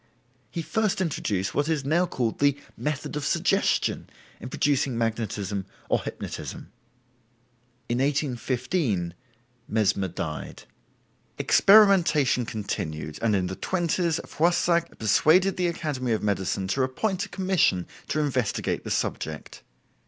He first introduced what is now called the "method of suggestion" in producing magnetism or hypnotism. In 1815 Mesmer died. Experimentation continued, and in the 20's Foissac persuaded the Academy of Medicine to appoint a commission to investigate the subject.